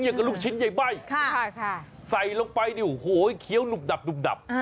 อย่างกับลูกชิ้นใหญ่ใบใส่ลงไปดิโอ้โหเขียวหนุ่มดับหนุ่มดับ